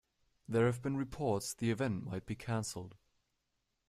There have been reports the event might be canceled.